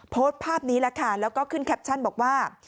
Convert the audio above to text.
โพสต์ภาพนี้แหละค่ะแล้วก็ขึ้นแคปชั่นบอกว่า